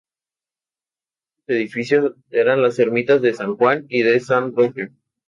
Otros edificios eran las ermitas de San Juan y de San Roque.